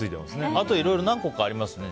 あと、いろいろ何個かありますね